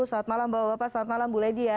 selamat malam bapak selamat malam bu ledia